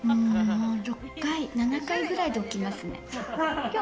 ６回７回くらいで起きますね。